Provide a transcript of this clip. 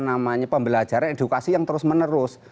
namanya pembelajaran edukasi yang terus menerus